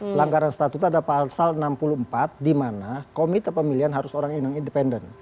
pelanggaran statuta ada pasal enam puluh empat di mana komite pemilihan harus orang yang independen